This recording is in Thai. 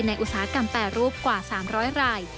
อุตสาหกรรมแปรรูปกว่า๓๐๐ราย